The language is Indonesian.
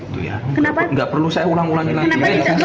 tuh ya nggak perlu saya ulang ulangin lagi